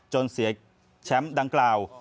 เสียแชมป์ดังกล่าว